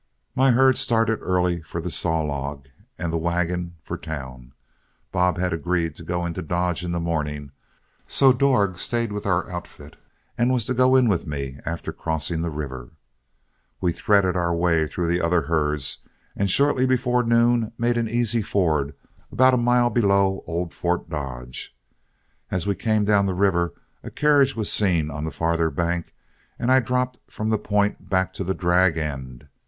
My herd started early for the Saw Log, and the wagon for town. Bob had agreed to go into Dodge in the morning, so Dorg stayed with our outfit and was to go in with me after crossing the river. We threaded our way through the other herds, and shortly before noon made an easy ford about a mile below old Fort Dodge. As we came down to the river, a carriage was seen on the farther bank, and I dropped from the point back to the drag end.